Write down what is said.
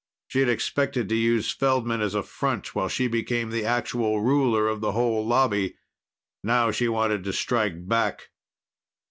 She'd expected to use Feldman as a front while she became the actual ruler of the whole Lobby. Now she wanted to strike back.